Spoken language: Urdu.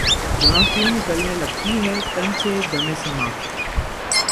جاں کیوں نکلنے لگتی ہے تن سے‘ دمِ سماع